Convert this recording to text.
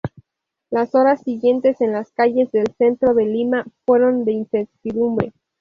Las horas siguientes en las calles del centro de Lima fueron de incertidumbre.